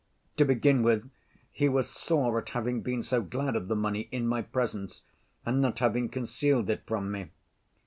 To begin with, he was sore at having been so glad of the money in my presence and not having concealed it from me.